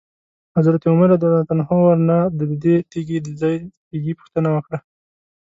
حضرت عمر رضی الله عنه ورنه ددې تیږي د ځای ځایګي پوښتنه وکړه.